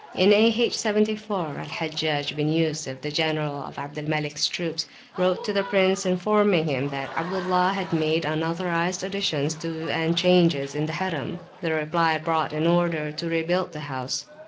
In A.H. 74, Hajjaj bin Yusuf, general of Abd al Maliks troops, wrote to the prince, informing him that Abdullah had made unauthorised additions to and changes in the Harim: the reply brought an order to rebuild the house.